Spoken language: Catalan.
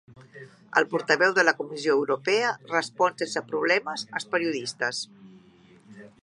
El portaveu de la Comissió Europea respon sense problemes als periodistes